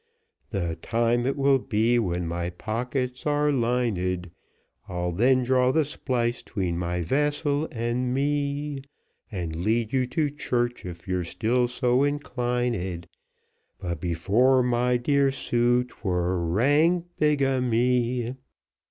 "The time it will be when my pockets are lined, I'll then draw the splice 'tween my vessel and me, And lead you to church, if you're still so inclined But before, my dear Sue, 'twere rank bigamy."